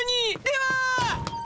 では。